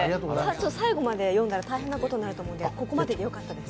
最後まで読んだら大変なことになると思うんでここまででよかったです。